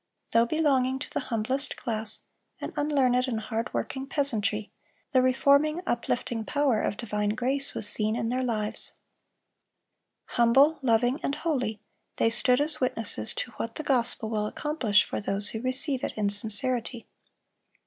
Though belonging to the humblest class, an unlearned and hard working peasantry, the reforming, uplifting power of divine grace was seen in their lives. Humble, loving, and holy, they stood as witnesses to what the gospel will accomplish for those who receive it in sincerity.